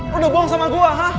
lo udah bohong sama gue